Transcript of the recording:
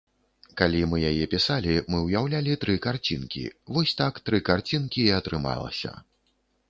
Калі мы яе пісалі, мы ўяўлялі тры карцінкі, вось так тры карцінкі і атрымалася.